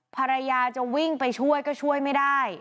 ภรรยาจะวิ่งไปช่วยก็ช่วยไม่ได้